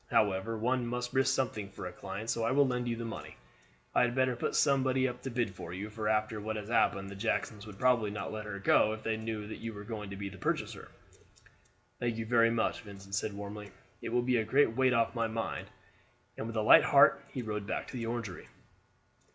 However, one must risk something for a client, so I will lend you the money. I had better put somebody up to bid for you, for after what has happened the Jacksons would probably not let her go if they knew that you were going to be the purchaser." "Thank you very much," Vincent said warmly; "it will be a great weight off my mind," and with a light heart he rode back to the Orangery.